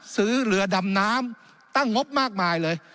ซื้อเรือดำน้ำตั้งงบมากมายเลย